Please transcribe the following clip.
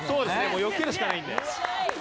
もうよけるしかないんで。